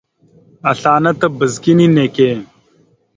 Asla ana tabaz kini neke.